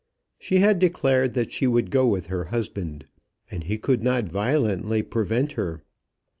She had declared that she would go with her husband, and he could not violently prevent her.